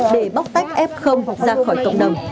để bóc tách f ra khỏi cộng đồng